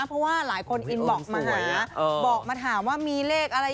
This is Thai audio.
เพราะว่าหลายคนอินบอกมาหาบอกมาถามว่ามีเลขอะไร